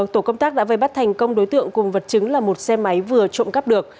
tổ công tác đã vây bắt thành công đối tượng cùng vật chứng là một xe máy vừa trộm cắp được